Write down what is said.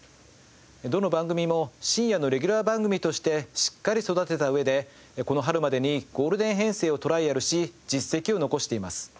どの番組も深夜のレギュラー番組としてしっかり育てた上でこの春までにゴールデン編成をトライアルし実績を残しています。